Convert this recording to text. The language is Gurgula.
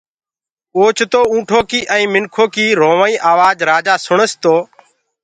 اوچتو اُنٚٺو ڪيٚ ائيٚنٚ مِنکو ڪيٚ رُووآئيٚ آواج رآجآ سُڻس تو